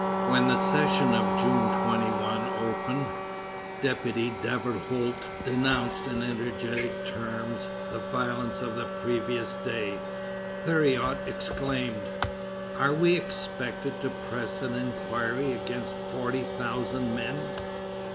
When the session of June 21 opened, Deputy Daverhoult denounced in energetic terms the violence of the previous day. Thuriot exclaimed: "Are we expected to press an inquiry against forty thousand men?"